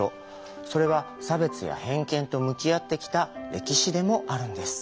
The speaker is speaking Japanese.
それは差別や偏見と向き合ってきた歴史でもあるんです。